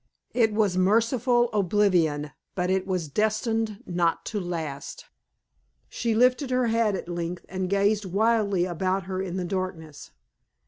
It was merciful oblivion; but it was destined not to last. She lifted her head at length, and gazed wildly about her in the darkness.